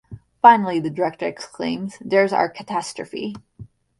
Finally the Director exclaims: There's our catastrophe!